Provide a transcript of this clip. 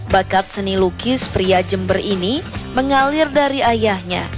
bakat seni lukis pria jember ini mengalir dari ayahnya